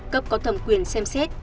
cấp có thẩm quyền xem xét